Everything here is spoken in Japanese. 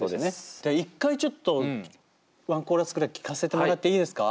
じゃあ１回ちょっとワンコーラスくらい聴かせてもらっていいですか？